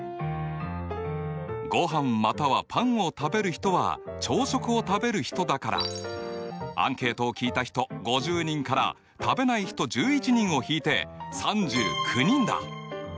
ごはんまたはパンを食べる人は朝食を食べる人だからアンケートを聞いた人５０人から食べない人１１人を引いて３９人だ。